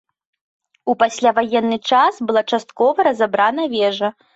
У пасляваенны час была часткова разабрана вежа.